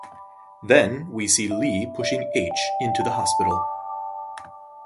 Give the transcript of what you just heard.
Then, we see Lee pushing H into the hospital.